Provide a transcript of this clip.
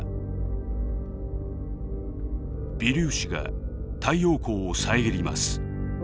微粒子が太陽光を遮ります。